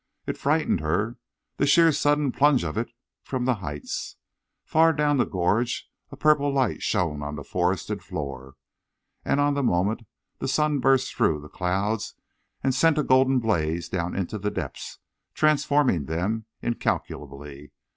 It frightened her—the sheer sudden plunge of it from the heights. Far down the gorge a purple light shone on the forested floor. And on the moment the sun burst through the clouds and sent a golden blaze down into the depths, transforming them incalculably.